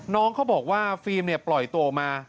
น้องเขาบอกว่าฟิล์มปล่อยโตมา